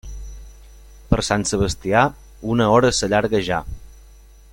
Per Sant Sebastià, una hora s'allarga ja.